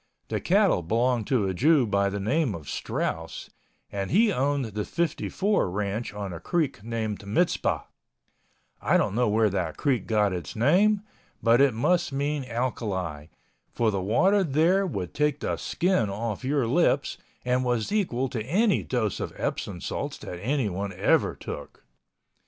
The cattle belonged to a Jew by the name of Strauss and he owned the "54" Ranch on a creek named Mizpah—I don't know where that creek got its name, but it must mean alkali, for the water there would take the skin off your lips and was equal to any dose of Epsom salts that anyone ever took.